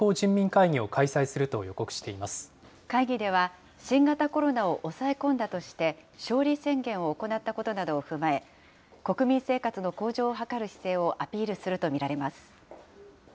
会議では、新型コロナを抑え込んだとして、勝利宣言を行ったことなどを踏まえ、国民生活の向上を図る姿勢をアピールすると見